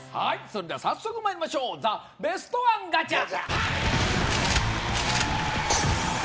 それでは早速まいりましょうザ・ベストワンガチャ！